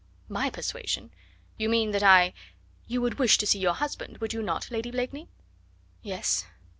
"My persuasion? You mean that I " "You would wish to see your husband, would you not, Lady Blakeney?" "Yes."